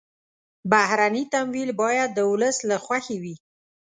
بهرني تمویل باید د ولس له خوښې وي.